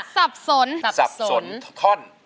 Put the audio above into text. สับสนสับสนสับสนท่อน